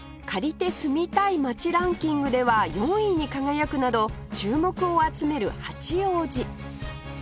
「借りて住みたい街ランキング」では４位に輝くなど注目を集める八王子